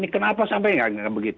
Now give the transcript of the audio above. kenapa sampai ini